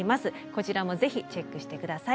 こちらもぜひチェックして下さい。